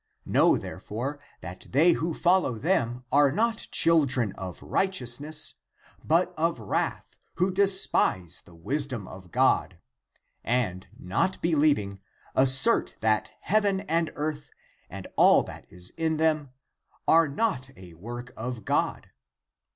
19. Know therefore that they who follow them are not children of righteousness, but of wrath, who despise the wisdom of God, and, not believing, assert that heaven and earth, and all that is in them, are not a work of God.